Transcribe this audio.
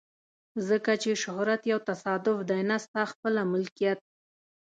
ځکه چې شهرت یو تصادف دی نه ستا خپله ملکیت.